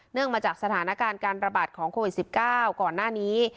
เนื่องมาจากสถานการณ์การประบาดของโควิดสิบเก้าก่อนหน้านี้